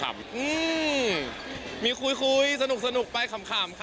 อื้มมมมมมมีคุยสนุกไปคำครับ